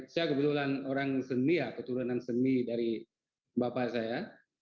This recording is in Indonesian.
saya kebetulan orang seni ya keturunan seni dari bapak saya